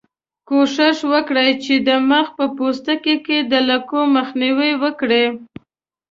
کوښښ وکړئ چې د مخ په پوستکي کې د لکو مخنیوی وکړئ.